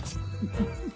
フフフ！